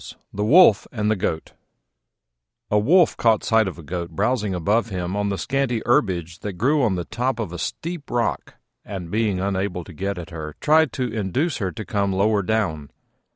THE WOLF AND THE GOAT A Wolf caught sight of a Goat browsing above him on the scanty herbage that grew on the top of a steep rock; and being unable to get at her, tried to induce her to come lower down.